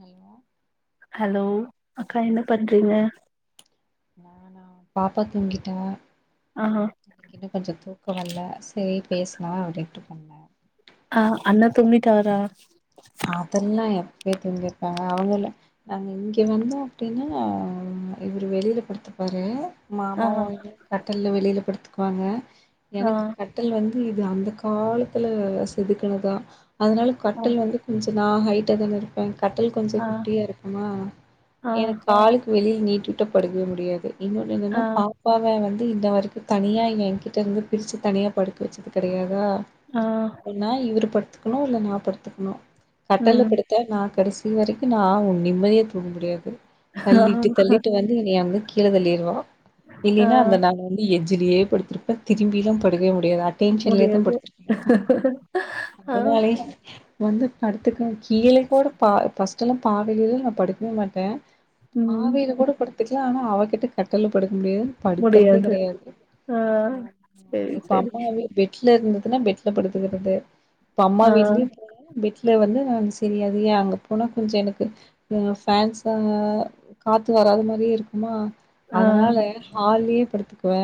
Hello hello அக்கா என்ன பண்றீங்க? நானா‌ பாப்பா தூங்கிட்டா ஆ எனக்கு இன்னு கொஞ்சொ தூக்கொ வல்ல சேரி பேசலா அப்டின்ட்டு பண்ணே ஆ அண்ணா தூங்கிட்டாரா? அதெல்லா எப்பயோ தூங்கிர்பாங்க அவுங்கள்லா நாங்க இங்க வந்தோ அப்டின்னா இவரு வெளில படுத்துப்பாரு ஆ மாமாவு அவனு கட்டில்ல வெளில படுத்துக்குவாங்க ஆ எனக்கு க ட்டில் வந்து இது அந்த காலத்துல செதுக்குனதா அதுனால ஆ கட்டில் வந்து கொஞ்ச நா ஹைட்ட தான இருப்பே கட்டல் கொஞ்ச ஆ குட்டியா இருக்குமா ஆ எனக்கு காலக்கு வெளியில் நீட்டிவிட்டா படுக்கவே முடியாது இன்னொன்னு ஆ என்னன்னா பாக் அப்பாவ வந்து இன்ன வரைக்கு தனியா எகிட்டே இருந்து பிரிச்சு தனியா படுக்க வச்சது கிடையாதா ஆ எப்டினா இவர்ரு படுத்துக்கணு இல்ல நா படுத்துக்கணு கட்டல்ல ம் படுக் த நா கடைசி வரைக்கு நா உன் நிம்மதியே தூங்க முடியாது ஆ தள்ளிட்டு தள்ளிட்டு வந் வந்து மேல இருந்து கீழ தள்ளிருவா ஆ இல்லைன்னா அந்த நாள் வந்து எஜ்ஜிலயே படுத்திருப்பே திரும்பியிலா படுகக்கவே முடியாது ஆ டென்ஷன்ல தா முடியாது படுத்துருப்பே ஆ அதனாலயே வந்து படுத்துக்கு கீழே கூட பா ஃபர்ஸ்ட் எல்லா பாதிலயே நா படுக்கவே மாட்டே ம் பாதையில கூட படுத்துக்கலா ஆனா அவ கிட்ட கட்டல்ல படுக்க முடியாது படுக்கறதே முடியாது கிடையாது ஆ செரி இப்ப செரி அம்மா வீட் பெட்டுல இருந்ததுன்னா பெட்டுல படுத்துக்கிறது இப்ப அம்மா ஆ வீட்லயு வீட்ல வந்து நா செரியாது ஏ அங்க போனா கொஞ்ச எனக்கு ஒரு ஃபேன்ஸ் வேர காத்து வராது மாரியே இருக்குமா ஆ அதனால ஹாலயே படுத்துக்குவே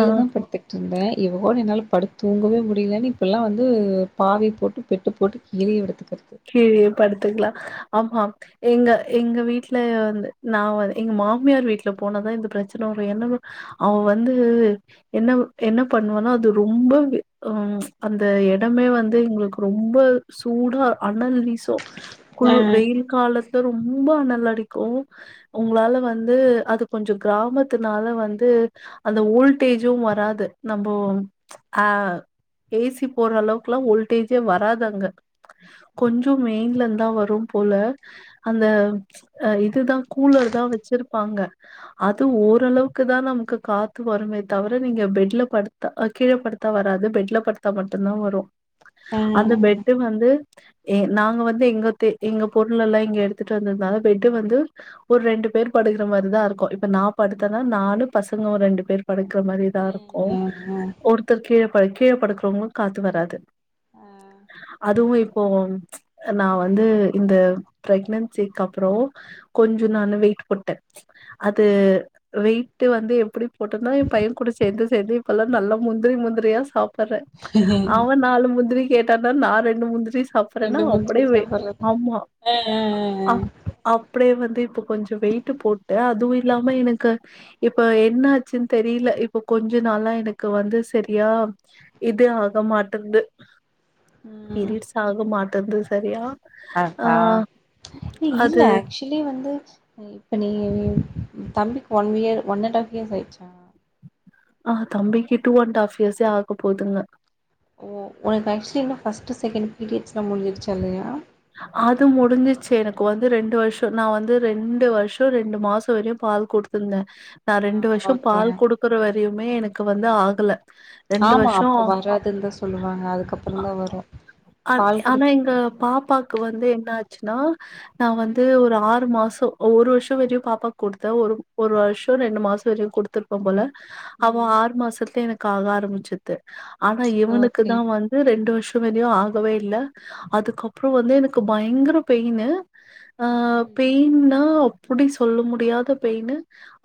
ஆ தா படுத்துக் தூங்குவே இவகோட என்னால படுத்து தூங்கவே முடியலன்னு இப்பல்லா வந்து பாவை போட்டு பெட்டு போட்டு வெளிய படுத்துக்கிறது கீழயே படுத்துக்கலா ஆமா எங்க எங்க வீட்ல வந்து நா எங்க மாமியார் வீட்ல போனதா இந்த பிரச்சனை வரு என்னவோ அவ வந்து என்ன என்ன பண்ணுவன்னா அது ரொம்ப ஆ அந்த இடமே வந்து எங்களுக்கு ரொம்ப சூடா அனல் வீசு ஆ குழு வெயில் காலத்துல ரொம்ப அனல் அடிக்கு உங்களால வந்து அது கொஞ்ச கிராமத்துனால வந்து அந்த ஓல்டேஜும் வராது நம்ம ஆ ஏசி போற அளவுக்குல்லா வோல்டேஜே வராது அங்க கொஞ்சோ மெயின்லருந்தா வரும் போல அந்த இதுதா கூலர் தா வச்சிருப்பாங்க அது ஓரளவுக்கு தா நமக்கு காத்து வருமே தவிர நீங்க பெட்ல படுத் த்தா கீழ படுத்தா வராது பெட்ல படுத்தா மட்டுந்தா வரு அந்த ஆ பெட்டு வந்து எ நாங்க வந்து எங்க தே எங்க பொருள் எல்லா இங்க எடுத்துட்டு வந்ததுனால பெட்டு வந்து ஒரு ரெண்டு பேர் படுக்குற மாரி தா இருக்கோ இப்ப நா படுத்தனா நானு பசங்க ஒரு ரெண்டு பேரு படுக்க மாரிதா இருக்கோ ஆ ஆ ஒருத்தர் கீழ ப கீழ படுக்கறவங்ளு காத்து வராது ஆ அதுவு இப்போ நா வந்து இந்த பிரெக்னன்சிக்கு அப்றோ கொஞ்சோ நானு வெயிட் போட்ட அது வெயிட்டு வந்து எப்டி போட்டனா எ பையங் கூட சேந்து சேந்து இப்பல்லா நல்லா முந்திரி முந்திரியா சாப் பற அவ நாலு முந்திரி கேட்டானா நா ரெண்டு முந்திரி சாப் றனா ரெண்டு மூணு அப்டியே தடவ வெயி சாப்புட்றது ஆமா அ அ அ அப்டியே வந்து இப்ப கொஞ்சோ வெயிட்டு போட்டே அதுவு இல்லாம எனக்கு இப்ப என்னாச்சுன் தெரில இப்ப கொஞ்சோ நாளா எனக்கு வந்து சரியா இது ஆக மாட்டங்குது ம் பீரியட்ஸ் ஆக மாட்டங்குது சரியா அ ஆ ஹா ஏ இல்ல அது ஆக்ச் சுழி வந்து இப்ப நீ தம்பிக்கு one year one and half year ஆச்சா அ தம்பிக்கு டூ அண்ட் ஹால்ஃப் இயர்ஸே ஆக போகுதுங்க ஓ உனக்கு [unintelligible] ஆக்சுவலா ஃபர்ஸ்ட்டு செகண்ட் பீரியட்ஸெலா முடிஞ்சிருச்சா இல்லையா அது முடிஞ்சிருச்சு எனக்கு வந்து ரெண்டு வருஷோ நா வந்து ரெண்டு வருஷோ ரெண்டு மாசோ வரையு பால் குடுத் துந்த நா ஆ ரெண்டு வருஷோ ஓகே பால் குடுக்குற வரையுமே எனக்கு வந்து ஆகுல ஆமா அப்ப வராதுன்னு தா சொல்லுவாங்க அதுக்கப்புறந்தா வர ஆ ஆனா எங்க பாப்பாக்கு வந்து என்ன ஆச்சுன்னா நா ம் வந்து ஒரு ஆறு மாசோ ஒரு வருஷோ வெரைக்கு பாப்பாக்கு குடுத்தே ஒரு ஒரு வருஷோ ரெண்டு மாசோ வெரையு குடுத்து எப்பம் போல அவ ம் ஆறு மாசத்துலே எனக்கு ஆக ஆரம்பிச்சுத்து ஆனா இவனுக்கு ஓகே தா வந்து வந்து ரெண்டு வருஷோ வெரையு ஆகவே இல்ல அதுக்கப் அப்புறோ வந்து எனக்கு பயங்கர பெயின்னு ம் பெயின்னா அப்புடி சொல்ல முடியாத பெயின்னு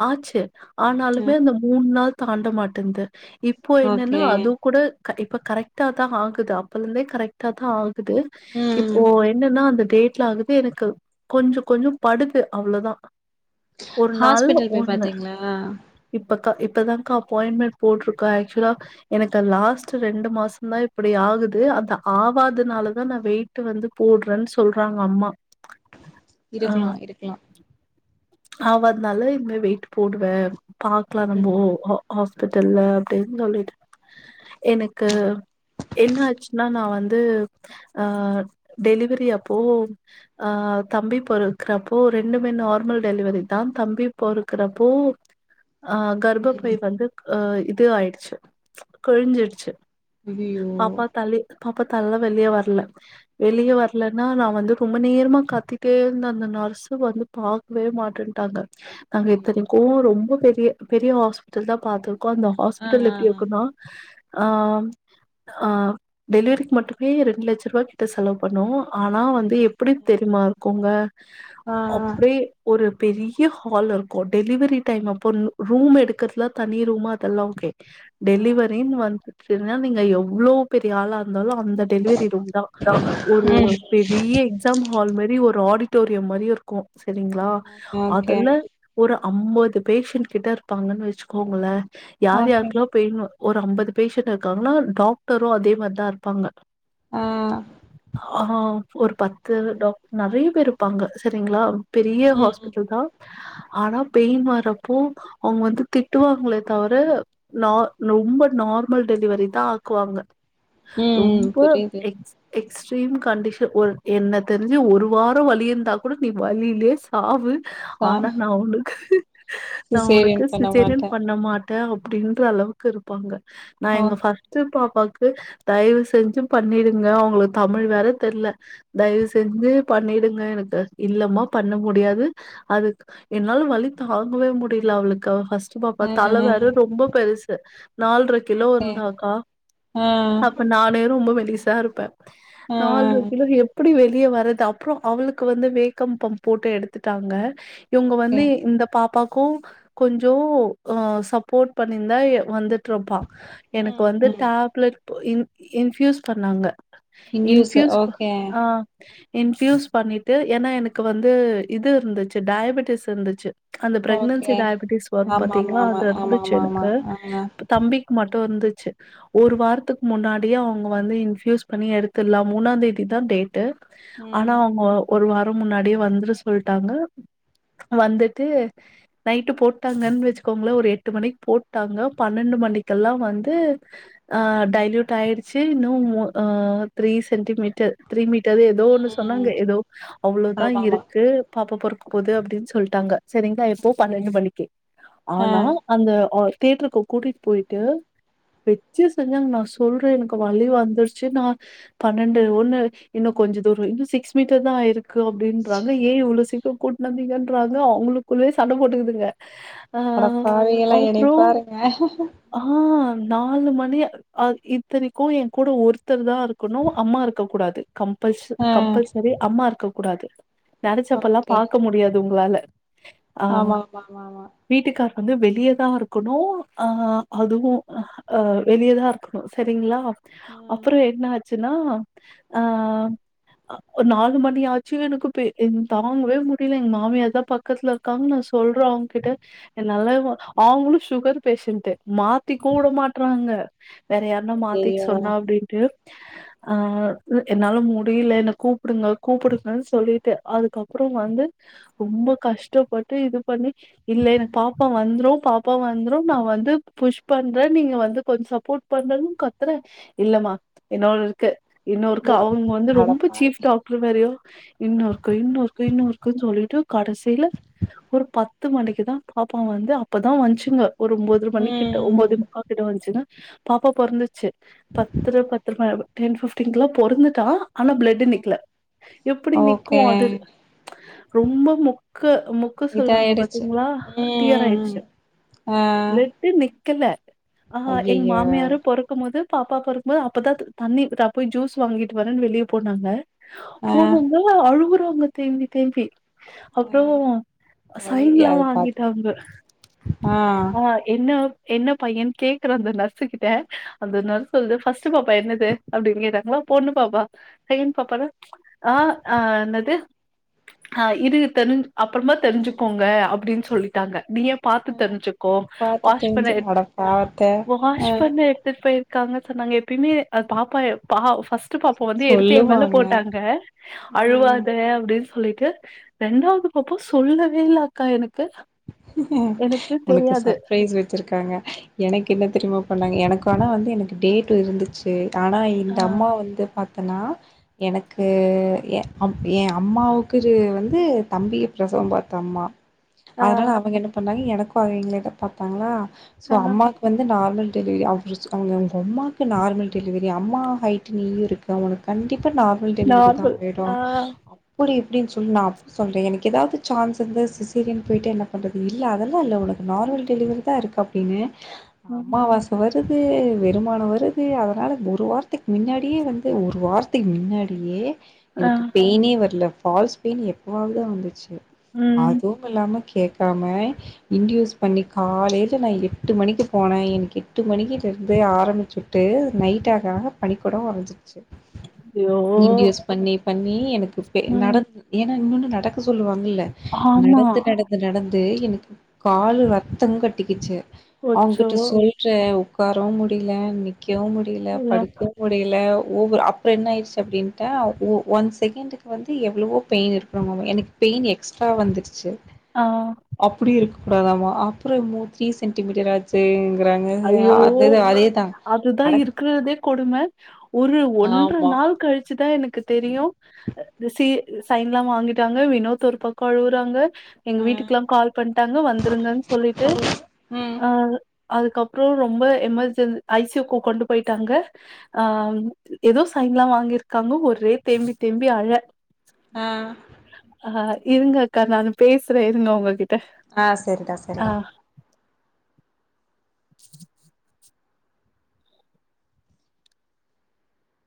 ஆச்சு அ ஆனாலுமே அந்த மூண் நாள் தாண்ட மாட்டேந்து இப்போ என்னென்னா ஓகே அதுக்கூட க இப்ப கரெக்ட்டா தா ஆகுது அப்பலருந்தே கரெக்டா தா ஆகுது ம் ஆனா அந்த டேட்ல ஆகுது எனக்கு கொஞ்சோ கொஞ்சோ படுது அவ்ளதா ஒரு நாள்ல ஹாஸ்பிட்டல் போய் ஒண்ணு பாத்தீங்களா இப்பக்கா இப்பதாங்க்கா அப்பாயின்மெண்ட் போட்ருக்க ஆக்சுவலா எனக்கு அந்த லாஸ்ட் ரெண்டு மாசந்தா இப்டி ஆகுது அது ஆவதுனால தா நா வெயிட் வெயிட்டு வந்து போடுறேன்னு சொல்றாங்க அம்மா இருக்கலா இருக்லா ஆவாதுனால இதுமே வெயிட்டு போடுவ பாக்லா ம் நம்போ ஹாஸ்பிட்டல்ல அப்டின் சொல்லிட்டு எனக்கு என்ன ஆச்சுன்னா நா வந்து அ டெலிவரி அப்போ அ தம்பி பொறக்குறப்போ ரெண்டுமே நார்மல் டெலிவரி தா தம்பி பொறக்குறப்போ அ கர்ப்பப்பை ம் வந்து அ இது ஆயிடுச்சு கிழிஞ்சிடுச்சு ஐயோ பாப்பா தள்ளி அப்பத்த நல்லா வெளிய வரல ஆ வெளியே வரலன்னா நா வந்து ரொம்ப நேரமா காத்திட்டே இருந்தே அந்த நர்ஸ வந்து பார்க்கவே மாட்டேட்டாங்க நாங்க ஐயயோ எத்தனைக்கும் ரொம்ப பெரிய பெரிய ஹாஸ்பிட்டல் தா பாத்திருக்கோ அந்த ஆ ஹாஸ்பிட்டல் ஆ எப்டி ஆ இருக்குன்னா ஆ ஆ டெலிவரிக்கு மட்டுமே ரெண்டு லட்ச ரூபா கிட்ட செலவு பண்ணோ ஆனா வந்து எப்டி தெரியுமா இருக்கு அங்க ஆ அப்டி ஒரு பெரிய ஹால் இருக்கும் டெலிவரி டைம் அப்போ ரூம் எடுக்கறதுல தனி ரூமா ல்ல ஓகே ஆ டெலிவரினு வந்துச்சுனா நீங்க எவ்வளவு பெரிய ஆளா இருந்தாலு அந்த டெலிவரி ரூம் தா ஒரு ம் பெரிய ஹால் மாரி ஒரு ஆடிட்டோரிய மாதிரி இருக்கு சரிங்களா ஓகே அதுல ஒரு ஐம்பது பேஷன்ட் கிட்ட இருப்பாங்கன்னு வச்சுக்கோங்களே யார் ஓகே யாருக்கு பெயினு ஒரு அம்பது பேஷண்ட் இருக்காங்கன்னா டாக்டரு அதே மாரிதா இருப்பாங்க ஆ ஆ ஒரு பத்து டாக்டர் நிறைய பேர் இருப்பாங்க சரிங்களா பெரிய ம் ம் ஹாஸ்பிட்டல் தா ஆனா பெயின் வர்றப்போ அவங்க வந்து திட்டுவாங்களே தவிர ந ரொம்ப நார்மல் டெலிவரி தான் ஆக்குவாங்க ம் ம் ரொம்ப புரியுது எ எக்ஸ்ட்ரீம் கண்டிஷன் என்ன தெரிஞ்சு ஒரு வார வலி இருந்தா கூட நீ வலியிலே ஆவு சா ஆனா நா உனக்கு நா உனக்கு சிசேரியன் பண்ண சிசரியன் மாட்டே பண்ண மாட் அப்டின்ற அளவுக்கு இருப்பாங்க நா எங்க ஓகே பாப்பாக்கு தயவு செஞ்சு பண்ணிடுங்க அவங்களுக்கு தமிழ் வேற தெர்ல தயவு செஞ்சு பண்ணிடுங்க எனக்கு இல்லமா பண்ண முடியாது அது என்னாலு வழி தாங்கவே முடில அவளுக்கு ஹஸ் சு பாப்பா ஆ தல வேற ஆ ரொம்ப பெருசு நால்ர கிலோ ஓகே இருந்தாக்கா ஆ அப்ப நானே ரொம்ப மெலிசா இரு ஆ நால்ர கிலோ எப்டி வெளிய வரது அப்புற அவளுக்கு வந்து வேக்கம் பம்ப் போட்டு எடுத்துட்டாங்க இவங்க ஓகே வந்து இந்த பாப்பாக்கு கொஞ்சோ சப்போர்ட் பண்ணியிருந்தா வந்து ரொபா எனக்கு ம் வந்து ம் டேப்லெட் இன் இன்ஃபியுஸ் பண்ணாங்க இன் இன்டியூஸு ஃபியூஸ் ஓகே ஆ இன்ஃப்யூஸ் பண்ணிட்டு ஏன்னா எனக்கு வந்து இது இருந்துச்சு டயபட்டிஸ் இருந்துச்சு அந்த பிரெக்னன்சி ஓகே டயபட்டிஸ் வரும் ஆமா பாத்தீங்கலா ஆமா அது ஆமா வந்துச்சு ஆமா ஆமா ஆமா எனக்கு ஆ தம்பிக்கு மட்டு இருந்துச்சு ஒரு வாரத்துக்கு முன்னாடியே அவங்க வந்து இன்ஃபியூஸ் பண்ணி எடுத்துலா மூணா தேதி தா டேட்டு ம் ஆனா அவங்க ஒரு வார முன்னாடியே வந்துற சொல்ட்டாங்க வந்துட்டு நைட்டு போட்டாங்கன்னு வச்சுக்கோங்க ஒரு எட்டு மணிக்கு போட்டாங்க பன்னெண்டு மணிக்கெல்லா வந்து ஆ லைல்யூட் ஆயிடுச்சு இன்னு மு த்ரீ சென்டிமீட்டர் த்ரீ மீட்டர் எதோ ஒன்னு ம் சொன்னாங்க ம் எதோ அவ்ளோதா ஆமா இருக்கு பாப்ப பொறக்கு போது அப்டின்னு சொல்ட்டாங்க சரிங்களா எப்போ ஆமா பண்ணென்டு மணிக்கு ஆ ஆனா அந்த த்யேட்டருக்கு கூட்டிட்டு போயிட்டு வெச்சி செஞ்சாங்க நா சொல்றே எனக்கு வலி வந்துருச்சு நா பன்னெண்டு ஒன்னு இன்னு கொஞ்ச தூர இன்னு சிக்ஸ் மீட்டர் தா ஆயிருக்கு அப்டின்றாங்க ஏ இவ்ளோ சீக்க கூட்னுவந்தீங்கன்றாங்க அவங்களுக்குள்ளயே சண்ட போட்டுக்குதுங்க ஆ அட பாவிங்களா எனைய அப்புறம் பாருங்க ஆ நாலு மணி இத்தனைக்கு எ கூட ஒருத்தர் தா இருக்கணு அம்மா இருக்கக்கூடாது கம்பல் ஆ கம்பல்சரி அம்மா இருக்க கூடாது நெனச்சப்ப எல்லா ஓகே பாக்க முடியாது உங்களால ஆ. ஆமா ஆமா ஆமா ஆமா வீட்டுக்கார் வந்து வெளியதா இருக்கணு அ அதுவு ஆ வெளியதா இருக்கணு சரிங்களா ம் அப்புறோ என்ன ஆச்சுன்னா அ ஒரு நாலு மணி ஆ சு எனக்கு பே தாங்கவே முடில எ மாமிய தா பக்கத்துல இருக்காங்கு நா சொல்ற அவுங்க கிட்ட என்னால அவுங்களும் சுகர் பேஷன்ட்டு மாத்திக்கவு உட மாட்றாங்க வேற யாருன்னா மாத்திக் ஐயையோ சொன்னா அப்டின்ட்டு ஆ என்னால முடில என்ன கூப்புடுங்க கூப்புடு அ சொல்லிட்ட அதுக்கப்புறோ வந்து ரொம்ப கஷ்டப்பட்டு இது பண்ணி இல்ல எனக்கு பாப்பா வந்துரு பாப்பா வந்துரு நா வந்து புஷ் பண்ற நீங்க வந்து கொஞ்ச சப்போர்ட் பண்றனு கத்துற இல்லமா இன்னோ இருக்கு இன்னொருக்கு வெறு அவுங்க வந்து ரொம்ப சீஃப் அடப்பாவி டாக்டர் வேறயா இன்னொருக்க இன்னொருக்க இன்னொறுக்க சொல்லிட்டு கடசீல ஒரு பத்து மணிக்கு தா பாப்பா வந்து அப்பதா வன்ச்சுங்க ஒரு ஒம்போதர மணிக்கிட்ட ம் ஒம்போதே முக்கா கிட்ட வந்துச்சுங்க பாப்பா பொறந்துச்சு பத்தர பத்து ம டென் ஃபிப்டீன்க்குலா பொறந்துட்டா ஆனா பிளட்டு நிக்கல எப்படி நிக்கு ஓகே அது ரொம்ப முக்க மு க்க சொல்லுவாங்க இதாயிடுச்சு பாத்தீங்களா டீயர் ம் ஆயிடுச்சி ஆ பிளட் டு நிக்கல ஆஹ எங்க ஐயையோ மாமியாரு பொறக்கும் போது பாப்பா பொறக்கும்போது அப்பதா த தண்ணி தா போய் ஜூஸ் வாங்கிட்டு வரேன்னு வெளிய போனாங்க ஆ போனவங்க ல அழுவுறாங்க தேம்பி தேம்பி ஆ அப்றோ வலி சைன்லா அது பாத்து வாங்கிட்டாங்க ஆ என்ன என்ன பையன் கேக்கற அந்த நர்ஸு கிட்ட அந்த நர்ஸ் சொல்லுது ஃபஸ்ட்டு பாப்பா என்னது அப்டின்னு கேட்டாங்களா பொண்ணு பாப்பா செகண்ட் பாப்பா ஆ ஆ என்னது ஆ இது தெரிஞ் அப்பறமா தெரிஞ்சுக்கோங்க அப்டின்னு சொல்லிட்டாங்க நீயா பாத்து தெரிஞ்ச்சுக்கோ பாத்து வாஷ் பண்ண தெரிஞ்சு எடுத்து அட பாவத்த வாஷ் ஆ பண்ண எடுத்துட்டு போயிரு க்காங்க சொன்னாங்க எப்பயுமே அ பாப்பா பா ஃபர்ஸ்ட்ட் பாப்பா வந்து எடுத்து என் மேல சொல்லுவாங்க போட்டாங்க ம் அழுவாத அப்டின்னு சொல்லிட்டு ரெண்டாவது பாப்பா சொல்லவே இல்ல அக்கா எனக்கு எனக்கு உனக்கு தெரியாது. சர்ப்ரைஸ் வச்சிருக்காங்க எனக்கு என்ன தெரியுமா பண்ணாங்க எனக்கு ஆனா வந்து எனக்கு டேட் இருந்துச்சு ஆனா ஆ, இந்த அம்மா வந்து பா த்தனா எனக்கு எ எ அம்மாவுக்கு வந்து தம்பிய பிரசவம் பாத்த அம்மா ஆ, அதனால அவங்க என்ன பண்ணாங்க எனக்கு அவங்களேதா பாத்தாங்களா சோ ஆ அம்மாக்கு வந் து நார்மல் டெலிவரி ஆயிருச்சு அவங்க உங்க அம்மாவுக்கு நார்மல் டெலிவரி அம்மா ஹைட் நீயு இருக் க உனக்கு கண்டிப்பா நார்மல் டெலிவரிதா நார்மல். ஆயிடு ஆ, அப்டி இப்டின்னு சொல்லி நா அப்ப சொல்றே எனக்கு ஏதாவது சான்ஸ் இருந்த சிசேரியன் போயிட்டு என்ன பண்றது இல்ல அதெல்லா இல்ல உனக்கு நார்மல் டெலிவரிதா இருக்கு அப்டின்னு ம், அம்மாவாச வருது வெறுமான வருது அதனால ஒரு வாரத்துக்கு முன்னாடியே வந்து ஒரு வார த்துக்கு மின்னாடியே ஆ, எனக்கு பெயினே வரல ஃபால்ஸ் பெயின் எப்பவாவதுதா வந்துச்சு ம். அதுவுமில்லாம கேக்காம இன்டியூஸ் பண்ணி காலையில நா எட்டு மணிக்கு போனே எனக்கு எட்டு மணிக்கிட்ட இருந்து ஆரம்பிச்சு ட்டு நைட் ஆக ஆக பனிக்கொடம் ஒடஞ்சிடுச்சு ஐயோ! இன்டியூஸ் பண்ணி பண்ணி எனக்கு பெ நட ம். ஏன்னா இன்னொன்னு நடக்க சொல்லுவாங்க ல்ல ஆமா. நடந்து நடந்து நடந்து எனக்கு காலு ரத்தம் கட்டிக்கிச்சு அச்சோ! அவுங்கிட்ட சொல்ற உக்காரவு முடில, நிக்கவு முடில, ஐயோ! படுக்கவு முடில ஓவர் அப்றோ என்ன ஆயிடுச்சு அப்டின்ட்டா ஓ ஒன் செகண்ட்டுக்கு வந்து எவ்வளவோ பெயின் இருக்கணுமாமே எனக்கு பெயின் எக்ஸ்ட்ரா வந்துட்ச்சு ஆ அப்படி இருக்க கூடாதாமா அப்பறோ மூ த்ரீ சென்டிமீட்டரா ச்சிங்கிறாங்க ஐயோ அதுதா இருக்கிறதே கொடும ஒரு ஒன்ட்ர ஆமா நாள் கழிச்சுதா எனக்கு தெரியு சி சைன் எல்லா வாங்கிட்டாங்க வினோத் ஒரு பக்கோ அழுவுறாங்க எங்க ஆ வீட்டுக்கெல்லா கால் பண்ட்டாங்க வந்துருங்கன்னு சொல்லிட்டு ம் அ அதுக்கு அப் றோ ரொம்ப எமர்ஜென் ஐ சி யுக்கு கொண்டு போயிட்டாங்க ஆ ஏதோ சைன்ல்லா வாங்கிருக்காங்க ஒரே தேம்பி தேம்பி அழ ஆ ஆ இருங்க அக்கா நானு பேசுறே இருங்க உங்ககிட் ஆ செரிடா செரிடா